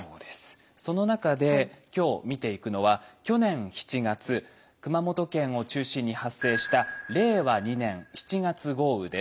その中で今日見ていくのは去年７月熊本県を中心に発生した令和２年７月豪雨です。